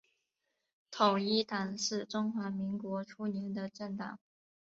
统一党是中华民国初年的政党。